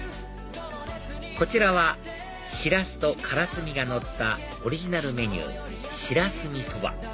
こちらはシラスとカラスミがのったオリジナルメニューしらすみそば